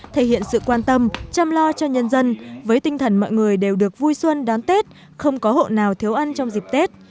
thể hiện sự quan tâm chăm lo cho nhân dân với tinh thần mọi người đều được vui xuân đón tết không có hộ nào thiếu ăn trong dịp tết